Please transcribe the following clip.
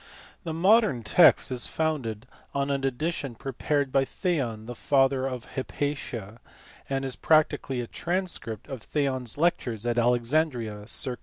EUCLID. 55 The modern text* is founded on an edition prepared by Theon, the father of Hypatia, and is practically a transcript of Theon s lectures at Alexandria (circ.